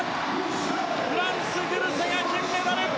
フランス、グルセが金メダル！